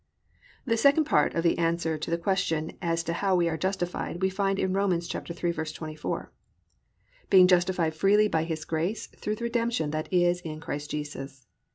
2. The second part of the answer to the question as to how we are justified we find in Rom. 3:24. +"Being justified freely by his grace through the redemption that is in Christ Jesus."